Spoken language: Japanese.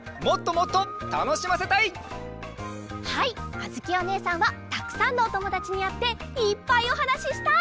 あづきおねえさんはたくさんのおともだちにあっていっぱいおはなししたい！